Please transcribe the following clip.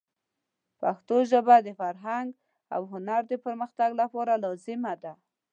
پښتو ژبه د فرهنګ او هنر د پرمختګ لپاره لازمه ده.